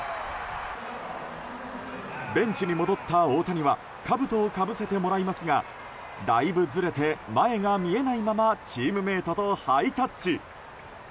ベンチに戻った大谷はかぶとをかぶせてもらいますがだいぶずれて前が見えないままチームメートとハイタッチ。